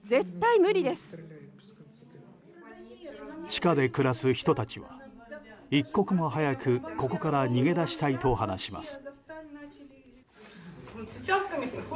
地下で暮らす人たちは一刻も早くここから逃げ出したいと話します。